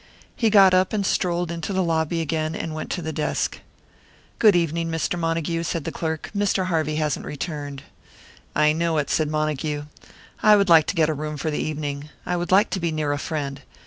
He got up and strolled into the lobby again, and went to the desk. "Good evening, Mr. Montague," said the clerk. "Mr. Harvey hasn't returned." "I know it," said Montague. "I would like to get a room for the evening. I would like to be near a friend.